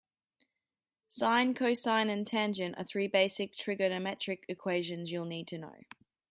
Sine, cosine and tangent are three basic trigonometric equations you'll need to know.